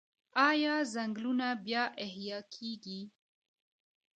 آیا ځنګلونه بیا احیا کیږي؟